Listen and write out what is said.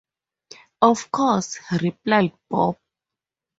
‘Of course,’ replied Bob.